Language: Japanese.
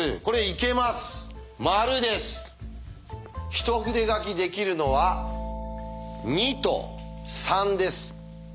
一筆書きできるのは２と３です。